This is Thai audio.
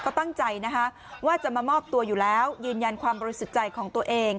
ก็ตั้งใจนะคะว่าจะมามอบตัวอยู่แล้วยืนยันความบริสุทธิ์ใจของตัวเอง